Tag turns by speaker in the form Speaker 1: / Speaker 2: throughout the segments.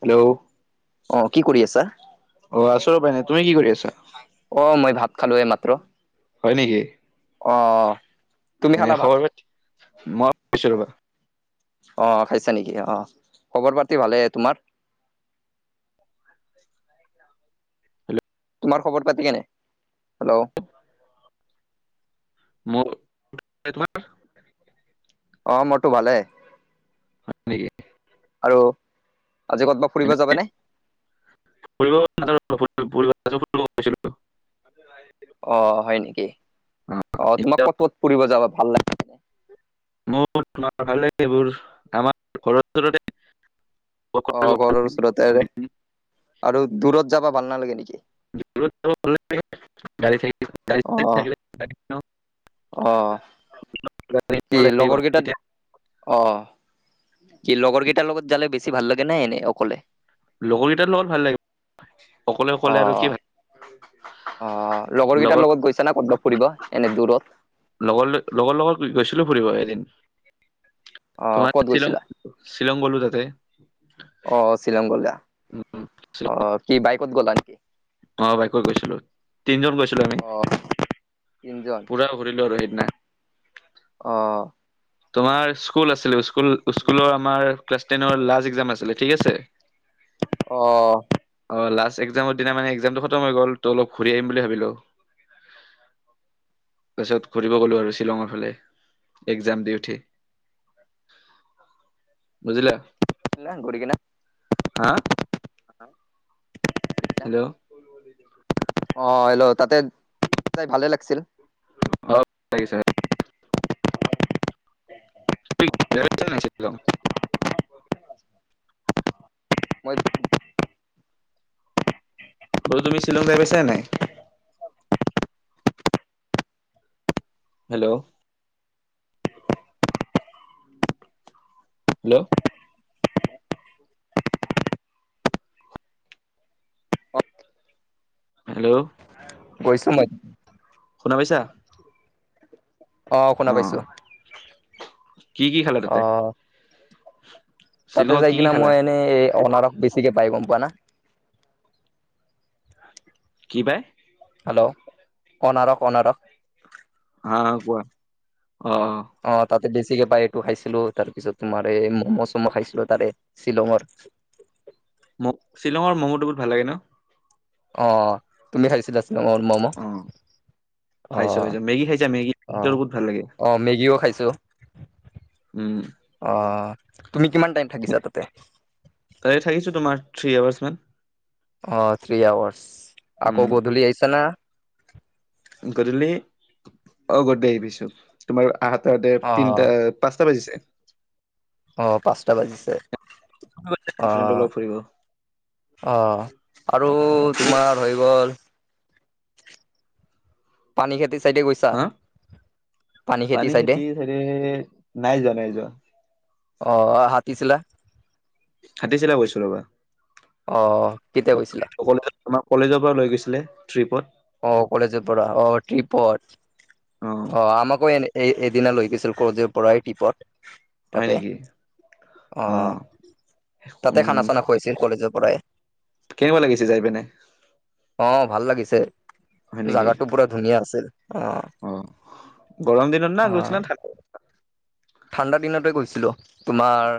Speaker 1: Hello
Speaker 2: অ কি কৰি আছা।
Speaker 1: অ আছো ৰবা এনেই তুমি কি কৰি আছা?
Speaker 2: অ মই ভাত খালোঁৱে এইমাত্ৰ।
Speaker 1: হয় নেকি
Speaker 2: তুমি
Speaker 1: এনে
Speaker 2: খালা ভাত?
Speaker 1: খবৰ পাতি মই কৈছো ৰবা।
Speaker 2: অ খাইছা নেকি অ খবৰ পাতি ভালে, তোমাৰ?
Speaker 1: হেল্ল'
Speaker 2: তোমাৰ খবৰ পাতি কেনে হেল্ল'-
Speaker 1: মোৰ- সেই তোমাৰ
Speaker 2: অ মোৰতো ভালে
Speaker 1: হয় নেকি
Speaker 2: আৰু আজি ক'তবাত ফুৰিব
Speaker 1: এনে
Speaker 2: যাবা নে?
Speaker 1: [unintelligible]
Speaker 2: অ হয় নেকি অ তোমাক ক'ত কত ফুৰিব যাবা ভাল।
Speaker 1: মোৰ তোমাৰ ভালে এইবোৰ আমাৰ ঘৰ ওচৰতে -
Speaker 2: অহ ঘৰৰ ওচৰতেৰে
Speaker 1: লাগে।
Speaker 2: আৰু দূৰত যাবা ভাল নালাগে নেকি?
Speaker 1: [unintelligible] গাড়ী চাড়ী, গাড়ী
Speaker 2: অ
Speaker 1: চাড়ী থাকিলে পাৰি ন?
Speaker 2: অ
Speaker 1: গাড়ী
Speaker 2: কি
Speaker 1: কিনিব লাগিব।
Speaker 2: লগৰ কেইটাত-
Speaker 1: তেতিয়া
Speaker 2: অ কি লগৰ কেইটাৰ লগত জালে বেছি ভাল লাগে নে এনেই অকলে?
Speaker 1: লগৰকেইটাৰ লগত ভাল লাগে অকলে
Speaker 2: অ
Speaker 1: অকলে আৰু কি ভাল।
Speaker 2: অ লগৰ কেইটাৰ লগত গৈছা না ক'তবা ফুৰিবা এনে দূৰত?
Speaker 1: লগৰ লগৰ লগত গৈছিলো ফুৰিব এদিন।
Speaker 2: আহ
Speaker 1: তোমাৰ
Speaker 2: ক'ত
Speaker 1: শ্বিলং
Speaker 2: গৈছিলা?
Speaker 1: শ্বিলং গ'লো তাতে
Speaker 2: অহ শ্বিলং গলা।
Speaker 1: উম,
Speaker 2: অ কি বাইক'ত গ'ল নেকি?
Speaker 1: অ বাইকত গৈছিলো তিনজন গৈছিলো আমি।
Speaker 2: অ তিনজন
Speaker 1: পূৰা ঘূৰিলো আৰু সেইদিনা
Speaker 2: অ।
Speaker 1: তোমাৰ স্কুল আছিল স্কুলৰ আমাৰ ক্লাছ টেনৰ লাষ্ট একজাম আছিল ঠিক আছে।
Speaker 2: অ।
Speaker 1: অ লাষ্ট একজামৰ দিনা মানে একজামটো খতম হৈ গল ত অলপ ঘূৰি আহিম বুলি ভাবিলো। পাছত ঘূৰিব গলো আৰু শ্বিলঙৰ ফালে। একজাম দি উঠি বুজিলা।
Speaker 2: [unintelligible]
Speaker 1: হা।
Speaker 2: [unintelligible]
Speaker 1: হেল্ল'
Speaker 2: অ হেল্ল' তাতে [unintelligible] যাই ভালে লাগিছিল।
Speaker 1: অপ [unintelligible] লাগিছে। [unintelligible] [inaudible]
Speaker 2: মই [unintelligible]
Speaker 1: বাৰু তুমি শ্বিলং যাই পাইছা নাই। হেল্ল' হেল্ল' হেল্ল'
Speaker 2: গৈছা নাক
Speaker 1: শুনা পাইছা?
Speaker 2: অ শুনা পাইছো।
Speaker 1: কি কি খেলা
Speaker 2: অ
Speaker 1: তাতে?
Speaker 2: তাতে
Speaker 1: শ্বিলঙত
Speaker 2: যাই
Speaker 1: কি কি
Speaker 2: কিনা
Speaker 1: খালা
Speaker 2: মই এনেই এই অনাৰখ বেছিকে পাই গম পোৱা না।
Speaker 1: কি পায়?
Speaker 2: হেল্ল' অনাৰক অনাৰক।
Speaker 1: হা হা কোৱা? অ।
Speaker 2: অ তাতে বেছিকে পাই এইটো খাইছিলো তাৰ পিছত তোমাৰ এই ম'ম'-চম' খাইছিলো তাৰে শ্বিলঙৰ।
Speaker 1: ম শ্বিলঙৰ মম'টো বহুত ভাল লাগে ন?
Speaker 2: অ তুমি খাইছিলা শ্বিলংৰ ম'ম?
Speaker 1: অ', খাইছো খাইছো মেগী খাইছা মেগী
Speaker 2: অঅ
Speaker 1: টো বহুত ভাল লাগে।
Speaker 2: অ মেগীও খাইছো।
Speaker 1: উ।
Speaker 2: অ তুমি কিমান টাইম থাকিছা তাতে।
Speaker 1: তাৰে থাকিছো তোমাৰ থ্ৰী আৱাৰ্চ মান।
Speaker 2: অ থ্ৰী আৱাৰছ
Speaker 1: উম,
Speaker 2: আকৌ গধূলি আহিছা না?
Speaker 1: গধূলি অ গধূলি আহি পাইছোঁ। তোমাৰ আহা তাতে
Speaker 2: অ',
Speaker 1: তিনিটা পাঁচটা বাজিছে।
Speaker 2: আহ পাঁচটা বাজিছে
Speaker 1: ফ্ৰেণ্ডৰ
Speaker 2: আহ
Speaker 1: লগত ফুৰিব।
Speaker 2: আহ। আৰু
Speaker 1: তুমি
Speaker 2: তোমাৰ হৈ গ'ল। পানী খেতিৰ চাইডে গৈছা?
Speaker 1: হা পানী খেতিৰ চাইডে নাই যোৱা, নাই যোৱা।
Speaker 2: অ হাতীছিলা?
Speaker 1: হাতিছিলা গৈছোঁ ৰবা।
Speaker 2: অ কেতিয়া গৈছিলা?
Speaker 1: কলেজত আমাৰ কলেজৰ পৰা লৈ গৈছিলে ট্ৰিপত।
Speaker 2: অ কলেজ পৰা অ ট্ৰিপত অ আমাকো এনে, এই এদিনা লৈ গৈছিল কলেজৰ পৰাই ট্ৰিপত।
Speaker 1: হয়
Speaker 2: তাতে
Speaker 1: নেকি?
Speaker 2: আহ
Speaker 1: অ',
Speaker 2: তাতে
Speaker 1: উম,
Speaker 2: খানা-চানা খুৱাইছিল কলেজৰ পৰাই।
Speaker 1: কেনেকুৱা লাগিছে যাই পিনাই।
Speaker 2: অ ভাল লাগিছে
Speaker 1: হয় নেকি?
Speaker 2: জাগাটো পুৰা ধুনীয়া আছিল অ,
Speaker 1: অ গৰম দিনত না
Speaker 2: অ',
Speaker 1: গৈছিলা না ঠাণ্ডা
Speaker 2: ঠাণ্ডা দিনতে গৈছিলো তোমাৰ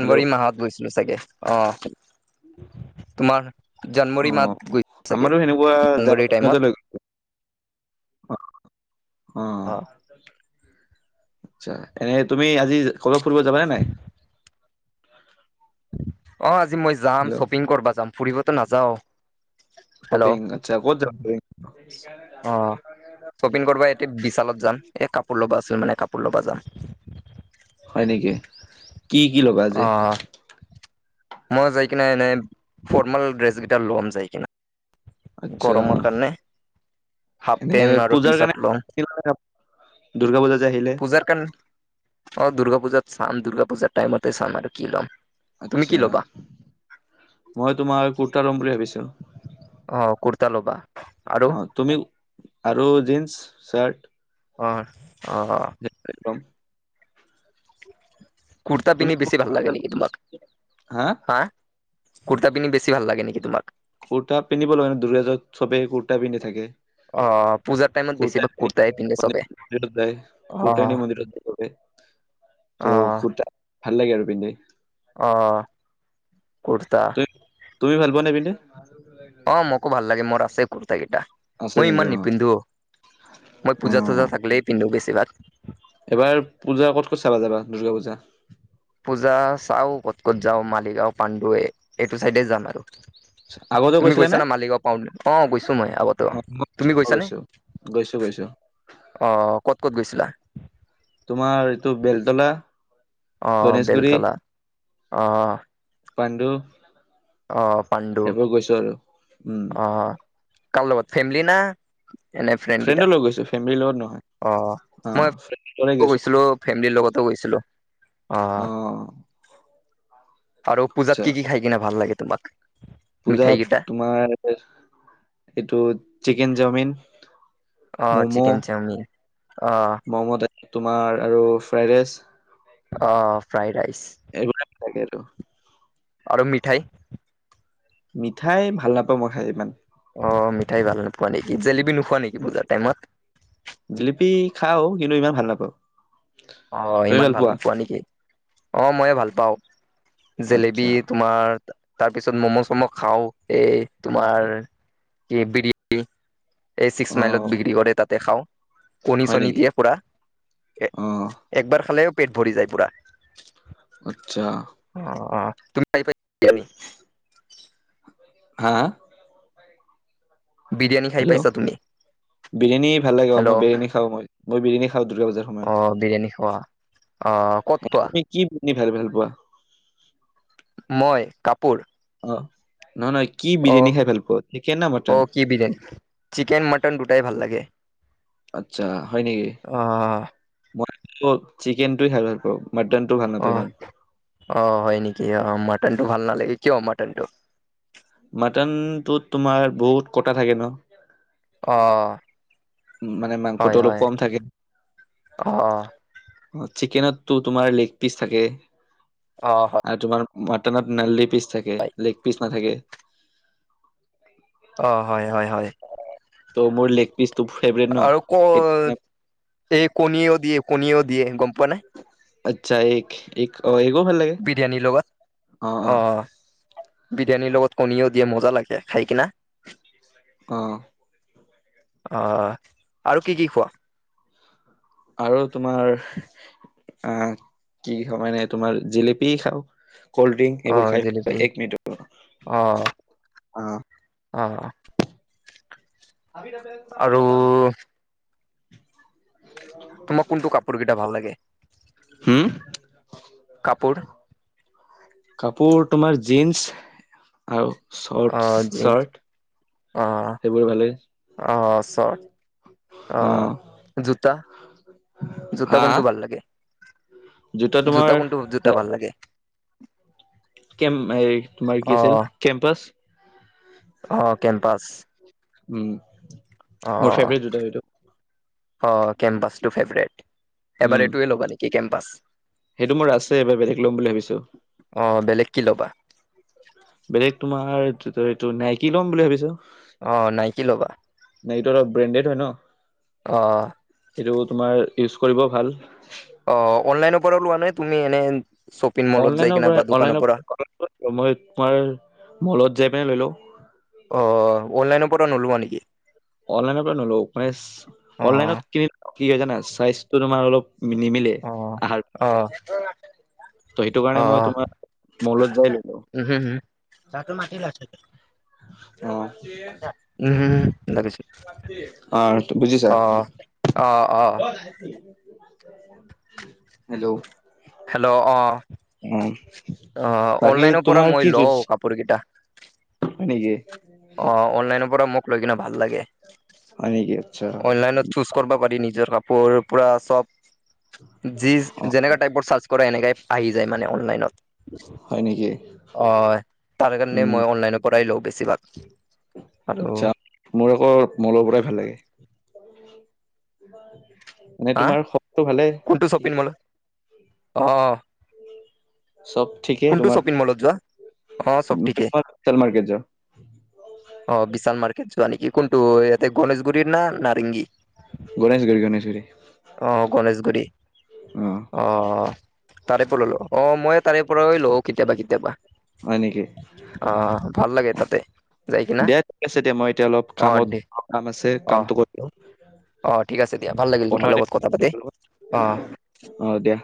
Speaker 1: হেল্ল'
Speaker 2: মাহত গৈছিলো চাগে। অঁ তোমাৰ জানুৱাৰী
Speaker 1: অ
Speaker 2: মাত গৈছে চাগে
Speaker 1: আমাৰো সেনেকুৱা জানুৱাৰী মানতে লৈ অ
Speaker 2: অ,
Speaker 1: আচ্ছা এনেই তুমি আজি ক'ৰবাত ফুৰিব যাবানে নাই?
Speaker 2: অ আজি মই যাম,
Speaker 1: হেল্ল'
Speaker 2: শ্বপিং কৰা যাম, ফুৰিবতো নাযাওঁ।
Speaker 1: শপিং আচ্ছা ক'ত যাবি।
Speaker 2: অ শ্বপিং কৰিব এতিয়া বিশালত যাম, এ কাপোৰ ল'বা আছিল মানে কাপোৰ ল'বা যাম।
Speaker 1: হয় নেকি কি-কি ল'বা
Speaker 2: অ
Speaker 1: আজি।
Speaker 2: মই যাই কিনা এনে ফৰ্মাল ড্ৰেছ কেইটা লম যাই কিনে।
Speaker 1: আচ্ছা
Speaker 2: গৰমৰ কাৰণে। হাফ
Speaker 1: এনে
Speaker 2: পেন্ট আৰু টি
Speaker 1: পূজাৰ
Speaker 2: চাৰ্ট ল'ম
Speaker 1: কাৰণে দূৰ্গা পূজা যে আহিলে,
Speaker 2: [unintelligible] অ দুৰ্গা পূজাত চাম দুৰ্গা পূজাৰ টাইমতে চাম আৰু কি ল'ম। তুমি কি
Speaker 1: আচ্ছা
Speaker 2: ল'বা
Speaker 1: মই তোমাৰ কুুৰ্তা লম বুলি ভাবিছোঁ।
Speaker 2: অ কুৰ্তা ল'বা। আৰু
Speaker 1: অ তুমি আৰু জিন্স, চাৰ্ট,
Speaker 2: হয় অ অ,
Speaker 1: [unintelligible]
Speaker 2: কুুৰ্তা
Speaker 1: তুমি
Speaker 2: পিন্ধি বেছি ভাল লাগে নেকি তোমাৰ হা, কুৰ্তা পিধি বেছি ভাল লাগে নেকি তোমাৰ।
Speaker 1: কুৰ্তা পিন্ধিব লাগে দূৰ্গ পূজাত চবে কুৰ্তা পিন্ধি থাকে।
Speaker 2: অ পূজাৰ টাইমত
Speaker 1: কুৰ্তা
Speaker 2: বেছিভাগ
Speaker 1: পিন্ধি
Speaker 2: কুৰ্তাই পিন্ধে চবে,
Speaker 1: [unintelligible] ভাল
Speaker 2: অ', অ',
Speaker 1: লাগে আৰু পিন্ধি।
Speaker 2: অ কুৰ্তা,
Speaker 1: তুম তুমি ভাল পোৱা নে পিন্ধি?
Speaker 2: অ মোক ভাল লাগে মোৰ আছে কুৰ্তা কেইটা।
Speaker 1: আছে
Speaker 2: মই
Speaker 1: নেকি
Speaker 2: ইমান
Speaker 1: অ
Speaker 2: নিপিন্ধো মই
Speaker 1: অ
Speaker 2: পূজা চজা থাকিলেই পিন্ধো বেছিভাগ।
Speaker 1: এবাৰ পূজা ক'ত ক'ত চাবা যাবা দুৰ্গা পূজা।
Speaker 2: পূজা চাও ক'ত ক'ত যাওঁ মালিগাঁও পাণ্ডুে এইটো চাইডে যাম আৰু
Speaker 1: আগতেও
Speaker 2: তুমি
Speaker 1: গৈছিলা নে?
Speaker 2: গৈছানা মালিগাঁও পাওঁ অ গৈছো মই আগতো
Speaker 1: অ মই
Speaker 2: তুমি গৈছানে?
Speaker 1: গৈছো। গৈছো গৈছো।
Speaker 2: অ ক'ত ক'ত গৈছিলা।
Speaker 1: তোমাৰ এইটো বেলতলা
Speaker 2: অ'
Speaker 1: গণেশগুৰি
Speaker 2: বেলতলা। অ' অ'।
Speaker 1: পাণ্ডু।
Speaker 2: অ পাণ্ডু
Speaker 1: এইবোৰ গৈছো আৰু উম
Speaker 2: আহ কাৰ লগত ফেমিলি না। এনে কেইটা?
Speaker 1: ফ্ৰেণ্ড লগ গৈছে ফেমিলিৰ লগত নহয়।
Speaker 2: অ
Speaker 1: অ
Speaker 2: মই
Speaker 1: ফ্ৰেণ্ডৰ লগত গৈছো।
Speaker 2: গৈছিলো ফেমিলিৰ লগতো গৈছিলো অ। আৰু পূজাত
Speaker 1: আচ্ছা
Speaker 2: কি কি খাই কিনে ভাল লাগে তোমাক? মিঠাই
Speaker 1: পূজাত
Speaker 2: কেইটা?
Speaker 1: তোমাৰ, এইটো চিকেন চাওমিন
Speaker 2: অ'
Speaker 1: ম'ম'
Speaker 2: চিকেন চাওমিন। অ'-
Speaker 1: ম'ম' তাতে তোমাৰ আৰু ফ্ৰাইড ৰাইচ
Speaker 2: অ' ফ্ৰাইড ৰাইচ,
Speaker 1: এইবিলাক থাকে আৰু
Speaker 2: আৰু মিঠাই
Speaker 1: মিঠাই ভাল নাপাওঁ মই খাই ইমান।
Speaker 2: অ' মিঠাই ভাল নোপোৱা নেকি? জেলেপি নোখোৱা নেকি পূজাৰ টাইমত?
Speaker 1: জিলেপি খাও, কিন্তু ইমান ভাল নাপাও।
Speaker 2: অ' ইমান ভাল নোপোৱা নেকি? অ' মইয়ে ভাল পাওঁ। জেলেবি
Speaker 1: আচ্ছা
Speaker 2: তোমাৰ, তাৰপিছত ম'ম' চম' খাও। এই
Speaker 1: হয়
Speaker 2: তোমাৰ,
Speaker 1: নেকি
Speaker 2: কি বিৰিয়ানী। এই
Speaker 1: অ
Speaker 2: ছিক্সমাইলত বিক্ৰী কৰে তাতে খাওঁ।
Speaker 1: হয়
Speaker 2: কণী-চণী
Speaker 1: নেকি
Speaker 2: দিয়ে পুৰা।
Speaker 1: অ
Speaker 2: একবাৰ খালেও পেট ভৰি যায় পুৰা।
Speaker 1: আচ্ছা।
Speaker 2: অ' অ' তুমি আহি পাইছা [unintelligible]
Speaker 1: হা?
Speaker 2: বিৰিয়ানি খাই
Speaker 1: হেল্ল'
Speaker 2: পাইছা তুমি?
Speaker 1: বিৰিয়ানী ভাল লাগে অ'। অ'
Speaker 2: হেল্ল'
Speaker 1: মই বিৰিয়ানি খাওঁ মই। মই বিৰিয়ানী খওঁ দুৰ্গা পূজাৰ সময়ত।
Speaker 2: অ' বিৰিয়ানী খোৱা? অ' ক'ত খোৱা?
Speaker 1: তুমি কি পিন্ধি ভাল-ভাল পোৱা?
Speaker 2: মই কাপোৰ
Speaker 1: অ', নহয় নহয় কি বিৰিয়ানী
Speaker 2: অ',
Speaker 1: খাই ভালপোৱা? চিকেন নে মটন?
Speaker 2: অ', কি বিৰিয়ানী চিকেন মটন দুটাই ভাল লাগে।
Speaker 1: আচ্ছা হয় নেকি!
Speaker 2: অহ।
Speaker 1: মই আকৌ চিকেনটো খাই ভাল পাওঁ। মাটনটো ভাল নাপাও
Speaker 2: অ',
Speaker 1: ইমান।
Speaker 2: অ' হয় নেকি? অ' মাটনটো ভাল নালাগে, কিয় মাটনটো!
Speaker 1: মাটনটোত তোমাৰ বহুত কটা থাকে ন?
Speaker 2: অ'।
Speaker 1: মানে মাংসটো
Speaker 2: হয়,
Speaker 1: অলপ
Speaker 2: হয়,
Speaker 1: কম থাকে।
Speaker 2: অ',
Speaker 1: অ' চিকেনততো তোমাৰ লেগ পিচ থাকে।
Speaker 2: অ' হয়।
Speaker 1: আৰু তোমাৰ মাটনত না লেপিচ থাকে! লেগ পিচ নাথাকে।
Speaker 2: অ' হয় হয় হয়।
Speaker 1: ত' মোৰ লেগ পিচটো ফেভৰেট ন?
Speaker 2: ক'ত?
Speaker 1: সেইকাৰণে
Speaker 2: এই কণীয়েও দিয়ে কণীয়েও দিয়ে। গম পোৱা নে?
Speaker 1: আচ্ছা এগ, অ' এগো ভাল লাগে।
Speaker 2: বিৰিয়ানীৰ লগত
Speaker 1: অ' অ'।
Speaker 2: বিৰিয়ানীৰ লগত কণীও দিয়ে। মজা লাগে খাই কিনা।
Speaker 1: অ'।
Speaker 2: অ' আৰু কি কি খোৱা?
Speaker 1: আৰু তোমাৰ। আ কি খাওঁ মানে তোমাৰ জেলেপি খাওঁ, ক'ল্ড ড্ৰিংক। এইবোৰ
Speaker 2: অ',
Speaker 1: খাই,
Speaker 2: জেলেপি
Speaker 1: এক মিনিট ৰ'বা। অ'।
Speaker 2: অ অ
Speaker 1: আমি তাতে একেটা কামে
Speaker 2: আৰু
Speaker 1: দহবাৰ নোচো
Speaker 2: তোমাক কোনটো কাপোৰ কিটা ভাল লাগে
Speaker 1: হম
Speaker 2: কাপোৰ?
Speaker 1: কাপোৰ তোমাৰ জিনচ আৰু চৰ্ট
Speaker 2: জিন্স
Speaker 1: চাৰ্ট
Speaker 2: অ'
Speaker 1: সেইবোৰ ভালেই
Speaker 2: অ'। অ' চৰ্ট। অ'। জোতা। জোতা
Speaker 1: হা
Speaker 2: কোনটো ভাল লাগে? জোতা কোনটো, জোতা ভাল লাগে?
Speaker 1: কেম, তোমাৰ
Speaker 2: অ
Speaker 1: কি আছিল কেম্পাছ।
Speaker 2: অ কেম্পাছ।
Speaker 1: উম।
Speaker 2: অ
Speaker 1: মোৰ ফেভৰেট জোতা সেইটো
Speaker 2: অ অ কেম্পাছটো ফেভৰেট। এবাৰ
Speaker 1: উম
Speaker 2: এইটোৱে ল'বা নেকি কেম্পাছ
Speaker 1: সেইটো মোৰ আছে এবাৰ বেলেগ লম বুলি ভাবিছো।
Speaker 2: অ বেলেগ কি ল'বা?
Speaker 1: বেলেগ তোমাৰ এইটোতো এইটো নাইকি ল'ম বুলি ভাবিছো।
Speaker 2: অ নাইকি ল'বা।
Speaker 1: নাইটো অলপ ব্ৰেণ্ডেড হয় ন।
Speaker 2: অ।
Speaker 1: এইটো তোমাৰ ইউজ কৰিব ভাল।
Speaker 2: অ অনলাইনৰ পৰা লোৱা নে তুমি এনে শ্বপিং মলত যাই
Speaker 1: অনলাইনৰ
Speaker 2: কিনে
Speaker 1: পৰা
Speaker 2: বা দোকানৰ
Speaker 1: অনলাইনৰ
Speaker 2: পৰা
Speaker 1: মই তোমাৰ মলত যাই পিনে লৈ লও।
Speaker 2: অ অনলাইনৰ পৰা নোলোৱা নেকি?
Speaker 1: অনলাইন পৰা নলও মানে
Speaker 2: অ
Speaker 1: অনলাইনত কিনি কি হয় জানা চাইজটো তোমাৰ অলপ নিমিলে।
Speaker 2: অ
Speaker 1: আহাৰ
Speaker 2: অ
Speaker 1: ত সেইটো কাৰণে মই তোমাৰ মৌলত যাই লৈ লও।
Speaker 2: উম হুম তাতো মাটি ওলাইছে-
Speaker 1: অ
Speaker 2: উহু লাগিছে
Speaker 1: অ বুজিছা।
Speaker 2: অ অ অ
Speaker 1: হেল্ল'
Speaker 2: হেল্ল' অ
Speaker 1: অ
Speaker 2: অহ
Speaker 1: বাকী
Speaker 2: অনলাইনৰ পৰা
Speaker 1: তোমাৰ কি
Speaker 2: মই
Speaker 1: যুজ
Speaker 2: লওঁ কা পোৰ কেইটা
Speaker 1: হয় নেকি?
Speaker 2: অ অনলাইনৰ পৰা মোক লৈ কিনে ভাল লাগে।
Speaker 1: হয় নেকি আতছা।
Speaker 2: চুচ কৰিব পাৰি নিজৰ কাপোৰ পুৰা চব যি
Speaker 1: অ
Speaker 2: যেনেকা চৰ্চ কৰা এনেকাই আহি যায় মানে অনলাইনত।
Speaker 1: হয় নেকি
Speaker 2: অ তাৰে কাৰণে
Speaker 1: উম
Speaker 2: মই অনলাইনৰ পৰাই লও বেছিভাগ। হেল্ল'
Speaker 1: আচ্ছা মোৰ আকৌ মলৰ পৰাই ভাল লাগে। মানে
Speaker 2: হা
Speaker 1: তোমাৰ শবটো ভালে
Speaker 2: কোনটো শ্বপিং
Speaker 1: ঠিকে আছে
Speaker 2: মলত অ
Speaker 1: চব ঠিকেই
Speaker 2: কোনটো
Speaker 1: তোমাৰ
Speaker 2: শ্বপিং মলত যোৱা অ', চব
Speaker 1: মানে
Speaker 2: ঠিকে
Speaker 1: তোমাৰ বিশাল মাৰ্কেট যাও
Speaker 2: অ বিশাল মাৰ্কেট যোৱা নেকি কোনটো ইয়াতে গনেশগুৰি না নাৰেংগী?
Speaker 1: গণেশগুৰি গণেশগুৰি
Speaker 2: অ গণেশগুৰি অ তাৰে পৰা ললো অ মই তাৰে পৰাই লও কেতিয়াবা কেতিয়াবা।
Speaker 1: হয় নেকি?
Speaker 2: অহ ভাল লাগে তাতে যাই কিনা
Speaker 1: দে ঠিক আছে দে মই এতিয়া অলপ
Speaker 2: অ
Speaker 1: কামত
Speaker 2: দে
Speaker 1: কাম আছে
Speaker 2: অ
Speaker 1: কামটো কৰি লও।
Speaker 2: অ ঠিক আছে দিয়া ভাল লাগিল তোমাৰ লগত কথা পাতি অ
Speaker 1: হয় দিয়া